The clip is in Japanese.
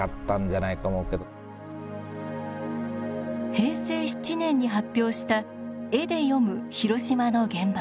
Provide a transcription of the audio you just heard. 平成７年に発表した「絵で読む広島の原爆」。